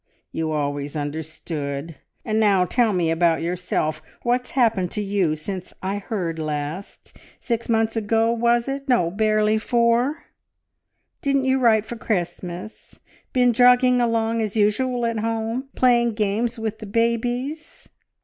You always understood. ... And now tell me about yourself. What's happened to you since I heard last? Six months ago, was it? No! barely four. Didn't you write for Christmas? Been jogging along as usual at home, playing games with the babies?"